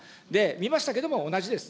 見ましたけれども、同じです。